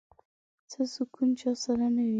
څه سکون چا سره نه وي